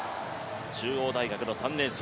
中央大学の３年生。